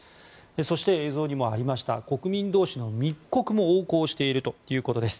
そして、映像にもありました国民同士の密告も横行しているということです。